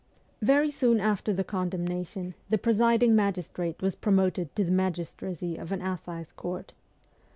Very soon after the condemnation the presiding magistrate was promoted to the magistracy of an assize court.